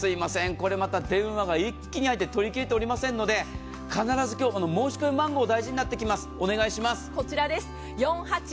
これまた電話が一気に入って取り切れておりませんので、申し込み番号が大事になってきます。